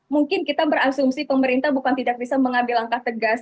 mungkin kita berasumsi pemerintah bukan tidak bisa mengambil langkah tegas